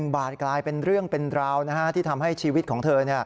บาทกลายเป็นเรื่องเป็นราวที่ทำให้ชีวิตของเธอ